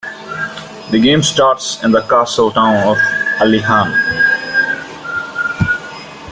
The game starts in the castle town of Aliahan.